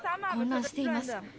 混乱しています。